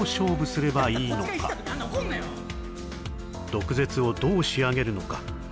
毒舌をどう仕上げるのか？